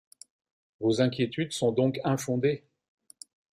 Vos inquiétudes sont donc infondées.